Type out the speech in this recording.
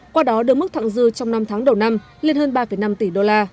qua đó đưa mức thẳng dư trong năm tháng đầu năm lên hơn ba năm tỷ đô la